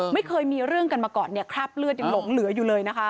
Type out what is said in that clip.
ไม่เคยมีเรื่องกันมาก่อนเนี่ยคราบเลือดยังหลงเหลืออยู่เลยนะคะ